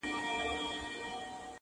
o د بل کټ تر نيمو شپو دئ.